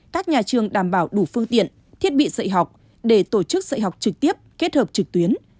các nhà trường đảm bảo đủ phương tiện thiết bị dạy học để tổ chức dạy học trực tiếp kết hợp trực tuyến